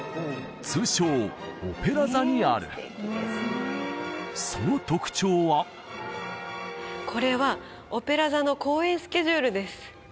通称オペラ座にあるその特徴はこれはオペラ座の公演スケジュールです